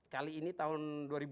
kali ini tahun dua ribu dua puluh